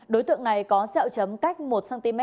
đối tượng này có xeo chấm cách một cm